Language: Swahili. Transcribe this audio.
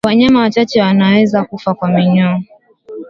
Wanyama wachache wanaweza kufa kwa minyoo